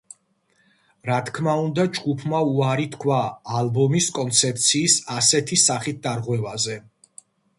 რა თქმა უნდა, ჯგუფმა უარი თქვა ალბომის კონცეფციის ასეთი სახით დარღვევაზე.